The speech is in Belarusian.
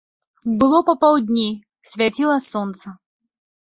Было папаўдні, свяціла сонца.